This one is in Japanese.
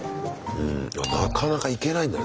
なかなか行けないんだね。